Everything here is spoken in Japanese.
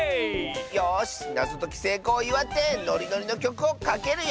よしなぞときせいこうをいわってノリノリのきょくをかけるよ！